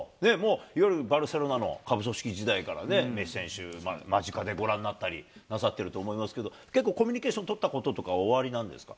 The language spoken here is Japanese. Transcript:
いわゆるバルセロナの下部組織時代からね、メッシ選手、間近でご覧になったりなさってると思いますけど、結構、コミュニケーション取ったこととかっておありなんですか？